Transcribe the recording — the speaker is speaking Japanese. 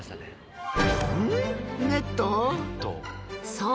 そう！